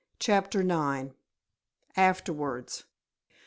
CHAPTER IX. AFTERWARDS.